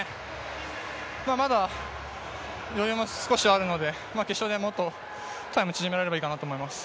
まだ余裕も少しあるので、決勝で少しタイムを縮められればいいかなと思います。